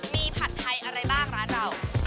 มีผัดไทยอะไรบ้างร้านเรา